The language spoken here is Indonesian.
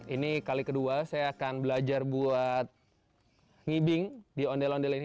ini kali kedua saya akan belajar buat ngibing di ondel ondel ini